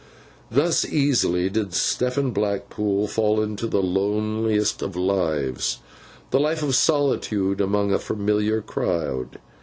Thus easily did Stephen Blackpool fall into the loneliest of lives, the life of solitude among a familiar crowd.